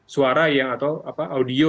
suara yang atau audio